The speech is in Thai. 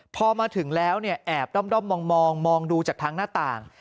พอมาถึงแล้วเนี่ยแอบด้อมมองดูจากทางหน้าต่าง